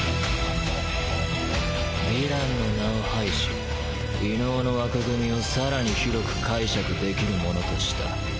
ヴィランの名を排し異能の枠組みを更に広く解釈できるものとした。